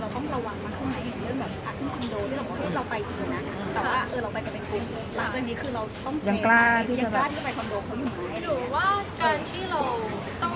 เพราะว่าเราจะต้อง